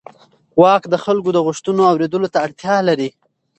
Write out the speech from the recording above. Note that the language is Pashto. واک د خلکو د غوښتنو اورېدلو ته اړتیا لري.